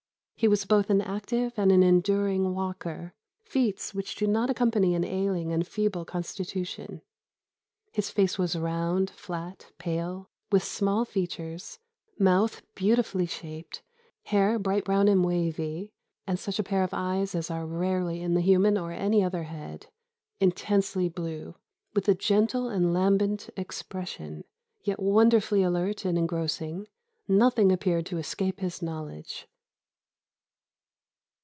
He was both an active and an enduring walker, feats which do not accompany an ailing and feeble constitution. His face was round, flat, pale, with small features; mouth beautifully shaped; hair bright brown and wavy; and such a pair of eyes as are rarely in the human or any other head, intensely blue, with a gentle and lambent expression, yet wonderfully alert and engrossing; nothing appeared to escape his knowledge."